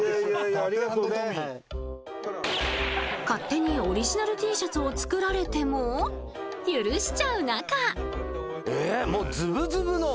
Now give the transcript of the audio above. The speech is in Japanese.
勝手にオリジナルＴシャツを作られても許しちゃう仲。